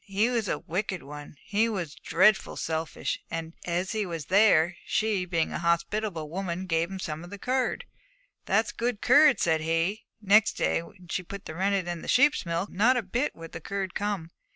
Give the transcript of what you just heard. He was a wicked one; he was dreadful selfish; and as he was there, she, being a hospitable woman, gave him some of the curd. "That's good curd," said he. Next day, when she put the rennet in the sheep's milk, not a bit would the curd come.